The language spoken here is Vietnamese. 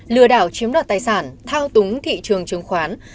lừa đảo chiếm đoạt tài sản thao túng thị trường chứng khoán